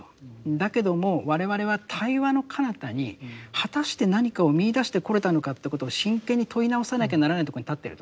だけども我々は対話のかなたに果たして何かを見いだしてこれたのかってことを真剣に問い直さなきゃならないとこに立ってると。